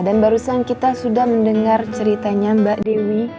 dan barusan kita sudah mendengar ceritanya mbak dewi